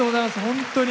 本当に。